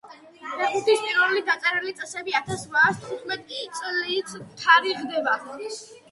ფეხბურთის პირველი დაწერილი წესები ათას რვაას თხუტმეტ წლით თარიღდება.